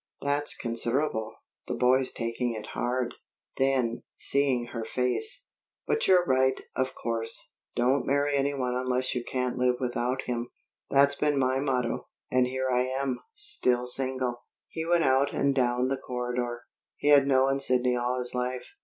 "That's considerable. The boy's taking it hard." Then, seeing her face: "But you're right, of course. Don't marry anyone unless you can't live without him. That's been my motto, and here I am, still single." He went out and down the corridor. He had known Sidney all his life.